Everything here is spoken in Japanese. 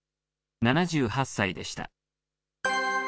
７８歳でした。